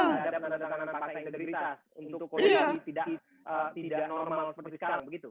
untuk kondisi tidak normal seperti sekarang